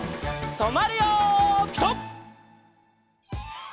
とまるよピタ！